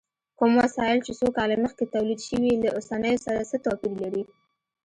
کوم وسایل چې څو کاله مخکې تولید شوي، له اوسنیو سره څه توپیر لري؟